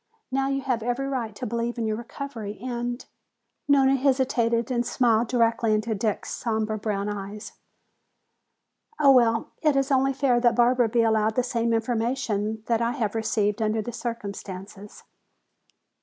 Now you have every right to believe in your recovery and" Nona hesitated and smiled directly into Dick's somber brown eyes "oh, well, it is only fair that Barbara be allowed the same information that I have received under the circumstances!"